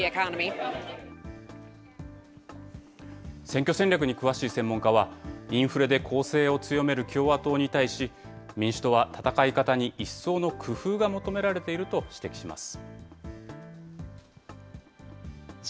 選挙戦略に詳しい専門家は、インフレで攻勢を強める共和党に対し、民主党は戦い方に一層の工夫が求められていると指摘します。